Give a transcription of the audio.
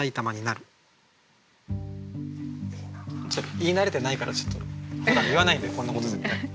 言い慣れてないからちょっとふだん言わないんでこんなこと絶対。